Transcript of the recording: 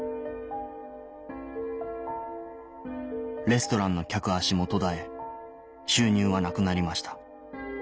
レストランの客足も途絶え収入はなくなりました